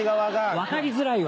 分かりづらいわ。